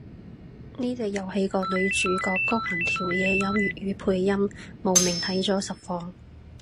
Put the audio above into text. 呢隻遊戲個女主角谷恆條嘢有粵語配音，慕名睇咗實況